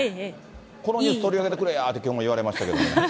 このニュース取り上げてくれやって、きょうもいわれましたけども。